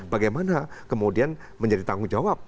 bagaimana kemudian menjadi tanggung jawab